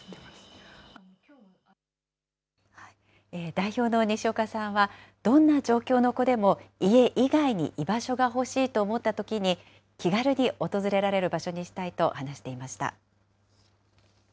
代表の西岡さんは、どんな状況の子でも家以外に居場所が欲しいと思ったときに、気軽に訪れられる場所にしたいと話していました。